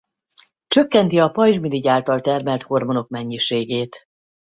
Csökkenti a pajzsmirigy által termelt hormonok mennyiségét.